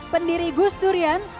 pendiri gus durian